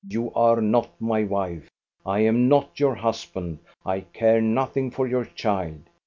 You are not my wife; I am not your husband. I care nothing for your child!'